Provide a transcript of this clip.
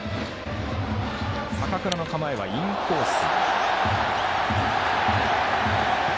坂倉の構えはインコース。